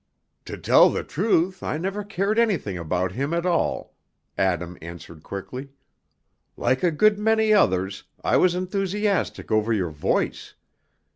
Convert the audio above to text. "To tell the truth, I never cared anything about him at all," Adam answered quickly. "Like a good many others, I was enthusiastic over your voice.